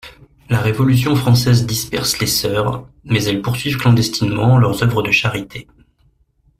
La Révolution française disperse les sœurs mais elles poursuivent clandestinement leurs œuvres de charité.